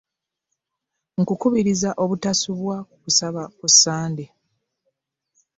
Nkukubiriza obutasubwa kusaba ku ssande.